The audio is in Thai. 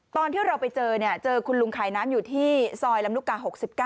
ตอนที่เราไปเจอเจอคุณลุงขายน้ำอยู่ที่ซอยลำลูกกา๖๙